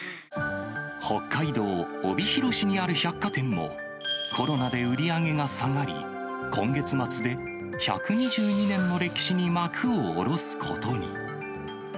北海道帯広市にある百貨店も、コロナで売り上げが下がり、今月末で１２２年の歴史に幕を下ろすことに。